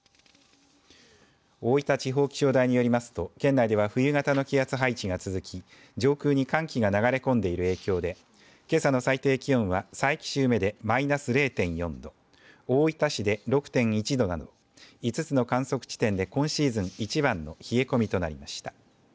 大分地方気象台によりますと県内では冬型の気圧配置が続き上空に寒気が流れ込んでいる影響でけさの最低気温は佐伯市宇目でマイナス０．４度大分市で６．１度など５つの観測地点で今シーズン一番の冷え込みとなりました。